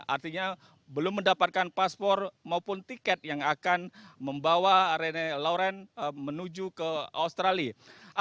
artinya belum mendapatkan paspor maupun tiket yang akan membawa rene lawren menuju ke australia